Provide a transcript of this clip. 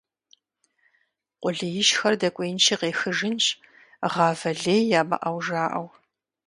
Къулеижьхэр дэкӀуеинщи къехыжынщ, гъавэ лей ямыӀэу жаӀэу.